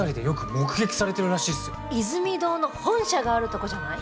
イズミ堂の本社があるとこじゃない？